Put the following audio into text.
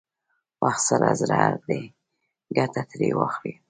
وخت سره زر دی، ګټه ترې واخلئ!